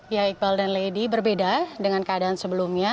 ya iqbal dan lady berbeda dengan keadaan sebelumnya